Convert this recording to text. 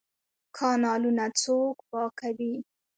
کانالونه څوک پاکوي؟